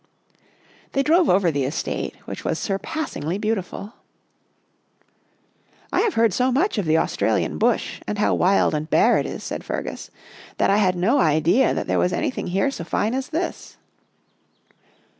" They drove over the estate, which was sur passingly beautiful. " I have heard so much of the Australian Bush and how wild and bare it is," said Fergus, " that I had no idea that there was anything here so fine as this."